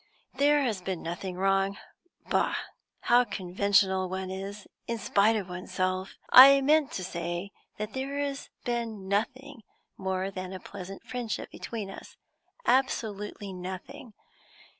There has been nothing wrong bah! how conventional one is, in spite of oneself! I mean to say there has been nothing more than a pleasant friendship between us; absolutely nothing.